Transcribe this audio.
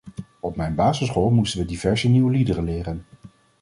Op mijn basisschool moesten we diverse nieuwe liederen leren.